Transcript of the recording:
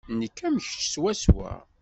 Nekk am kečč swaswa.